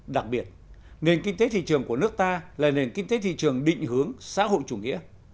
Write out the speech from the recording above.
đặc biệt nền kinh tế thị trường của nước ta là nền kinh tế thị trường định hướng xã hội chủ nghĩa